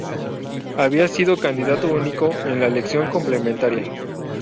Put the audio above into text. Había sido candidato único en la elección complementaria.